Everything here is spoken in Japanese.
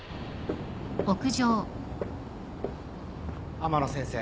天野先生。